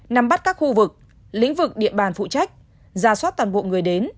nắm bắt các khu vực lĩnh vực địa bàn phụ trách ra soát toàn bộ người đến